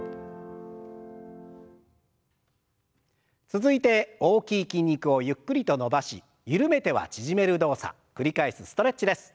続いて大きい筋肉をゆっくりと伸ばし緩めては縮める動作繰り返すストレッチです。